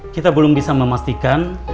kita belum bisa memastikan